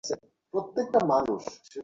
মন্দির আমাদের শহরের সীমানায়।